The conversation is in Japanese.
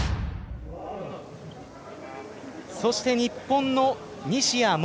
そして日本の西矢椛。